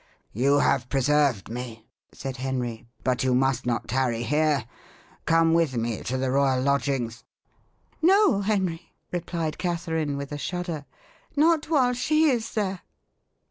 "You have preserved me," said Henry, "but you must not tarry here. Come with me to the royal lodgings." "No, Henry," replied Catherine, with a shudder, "not while she is there."